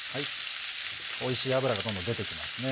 おいしい脂がどんどん出てきますね。